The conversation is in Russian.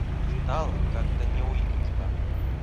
Стало как-то неуютно.